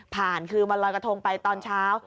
ผ่านคืนมาลอยกระทงไปตอนเช้า